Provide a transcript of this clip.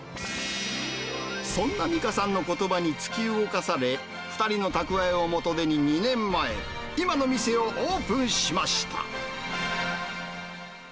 そんな実花さんのことばに突き動かされ、２人の蓄えを元手に２年前、今の店をオープンしました。